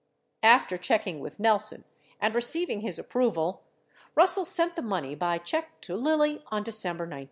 After checking with Nelson and receiving his approval, Russell sent the money by check to Lilly on December 19.